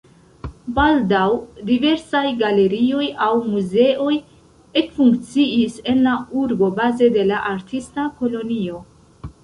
Baldaŭ diversaj galerioj aŭ muzeoj ekfunkciis en la urbo baze de la artista kolonio.